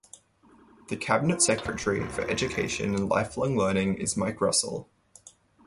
The Cabinet Secretary for Education and Lifelong Learning is Mike Russell.